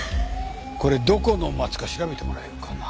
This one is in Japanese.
これどこの松か調べてもらえるかな？